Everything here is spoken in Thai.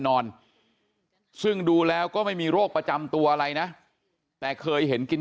นอนซึ่งดูแล้วก็ไม่มีโรคประจำตัวอะไรนะแต่เคยเห็นกิน